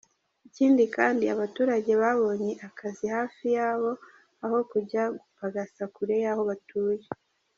Ikindi kandi abaturage babonye akazi hafi yabo aho kujya gupagasa kure y’aho batuye.